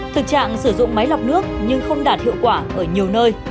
thực trạng sử dụng máy lọc nước nhưng không đạt hiệu quả ở nhiều nơi